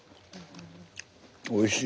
おいしい。